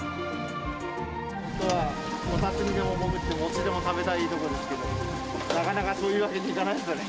本当はこたつにでも潜って、餅でも食べたいところですけど、なかなかそういうわけにいかないですよね。